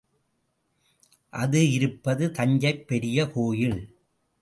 அது இருப்பது தஞ்சைப் பெரிய கோயிலில்.